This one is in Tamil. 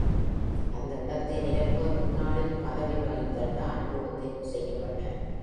அந்த இடத்தை நிரப்ப, முன்னாளில் பதவி வகித்த டான் ப்ளூ தேர்வு செய்யப்பட்டார்.